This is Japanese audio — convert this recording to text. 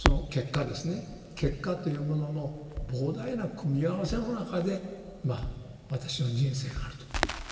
結果というものの膨大な組み合わせの中でまあ私の人生があると。